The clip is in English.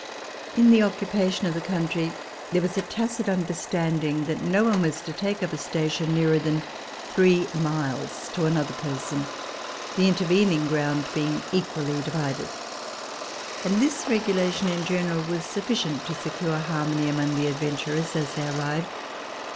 In the occupation of the country there was a tacit understanding that no one was to take up a station nearer than three miles to another person, the intervening ground being equally divided ; and this regulation, in general, was sufficient to secure harmony among the adventurers as they arrived.